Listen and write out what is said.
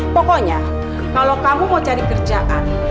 pokoknya kalau kamu mau cari kerjaan